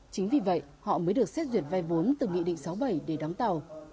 chính vì vậy họ mới được xét duyệt vai vốn từ nghị định sáu bảy để đóng tàu